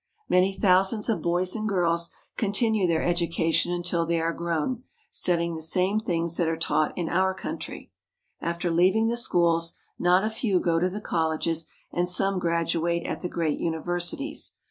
Many thousands of boys and girls continue their education until they are grown, studying the same things that are taught in our country. After leaving the schools, not a few go to the colleges, and some graduate at the great universities.